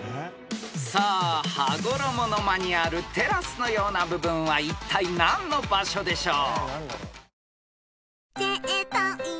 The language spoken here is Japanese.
［さあ羽衣の間にあるテラスのような部分はいったい何の場所でしょう？］